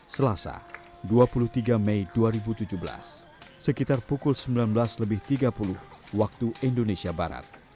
selasa dua puluh tiga mei dua ribu tujuh belas sekitar pukul sembilan belas tiga puluh waktu indonesia barat